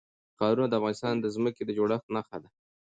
ښارونه د افغانستان د ځمکې د جوړښت نښه ده.